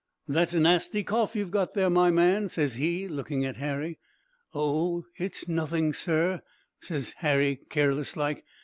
"That's a nasty cough you've got, my man,' ses he, looking at Harry. "'Oh, it's nothing, sir,' ses Harry, careless like.